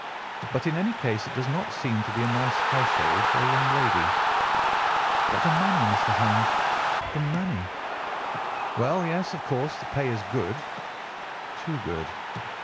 But in any case it does not seem to be a nice household for a young lady." "But the money, Mr. Holmes, the money!" "Well, yes, of course the pay is good—too good.